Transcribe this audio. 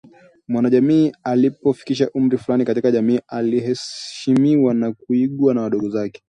Mwanajamii alipofikisha umri fulani katika jamii aliheshimiwa na kuigwa na wadogo wake